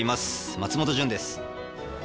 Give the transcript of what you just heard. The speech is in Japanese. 松本潤です。